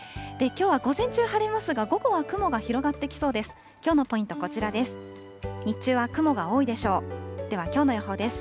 きょうは午前中晴れますが、午後は雲が広がってきそうです。